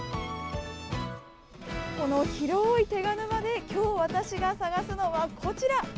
この広い手賀沼できょう、私が探すのはこちら。